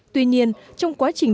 tuy nhiên trong quá trình điều trị